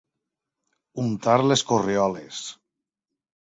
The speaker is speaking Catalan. Untar les corrioles.